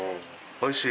おいしい。